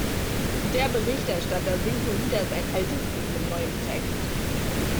Der Berichterstatter singt nur wieder sein altes Lied mit neuem Text.